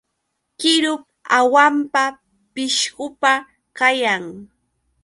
Qirup hawampa pishqupa kayan.